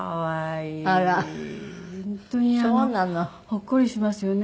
ほっこりしますよね。